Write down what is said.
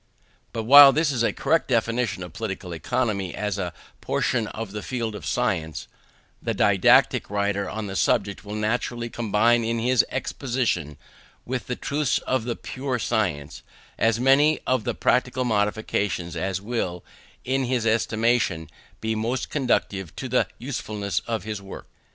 But while this is a correct definition of Political Economy as a portion of the field of science, the didactic writer on the subject will naturally combine in his exposition, with the truths of the pure science, as many of the practical modifications as will, in his estimation, be most conducive to the usefulness of his work.